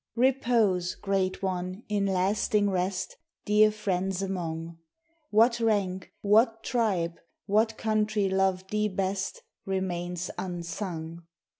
Repose, great one, in lasting rest Dear friends among; What rank, what tribe, what country loved thee best Remains unsung.